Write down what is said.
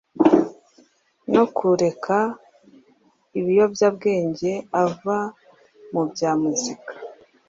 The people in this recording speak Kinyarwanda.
no kureka ibiyobyabwenge, ava mu bya muzika